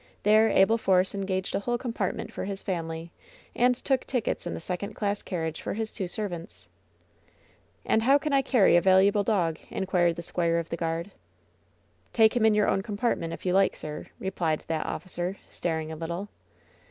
There Abel Force engaged a whole compartment for his family, and took tickets in the second class carriage for his two servants. "And how can I carry a valuable dog ?" inquired the squire of the guard. "Take him in your own compartment, if you like, sir," replied that officer, staring a little.